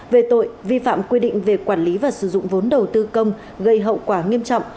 về tội vi phạm quy định về quản lý và sử dụng vốn đầu tư công gây hậu quả nghiêm trọng